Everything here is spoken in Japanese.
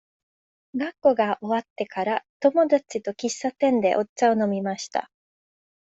学校が終わってから、友達と喫茶店でお茶を飲みました。